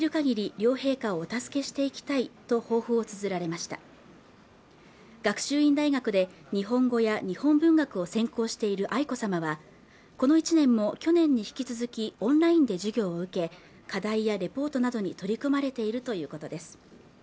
両陛下をお助けしていきたいと抱負をつづられました学習院大学で日本語や日本文学を専攻している愛子さまはこの１年も去年に引き続きオンラインで授業を受け課題やレポートなどに取り組まれているということです